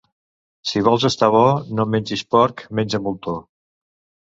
Si vols estar bo, no mengis porc: menja moltó.